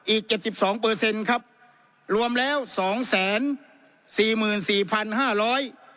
อีกเจ็ดสิบสองเปอร์เซ็นต์ครับรวมแล้วสองแสนสี่หมื่นสี่พันห้าร้อย